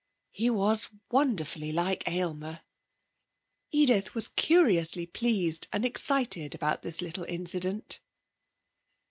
He was wonderfully like Aylmer. Edith was curiously pleased and excited about this little incident.